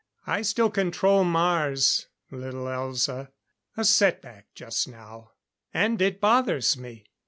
I still control Mars, little Elza.... A set back just now and it bothers me.